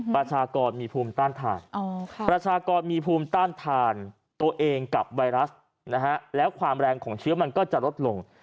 ประชากรมีภูมิต้านทานประชากรมีภูมิต้านทานตัวเองกับไวรัสแล้วความแรงของเชื้อมันก็จะลดลง